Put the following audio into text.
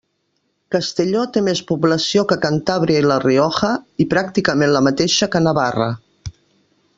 Castelló té més població que Cantàbria i La Rioja i pràcticament la mateixa que Navarra.